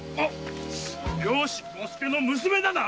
漁師・五助の娘だな！